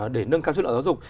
để nâng cao chất lượng giáo dục